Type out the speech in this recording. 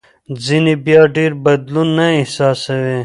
ځینې بیا ډېر بدلون نه احساسوي.